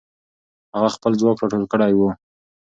هغه خپل ځواک راټول کړی وو.